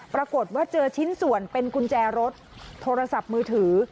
ปรากฏว่าเจอชิ้นส่วนเป็นกุญแจรถโทรศัพท์มือถือ